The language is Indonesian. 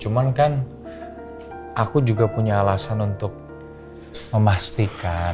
cuman kan aku juga punya alasan untuk memastikan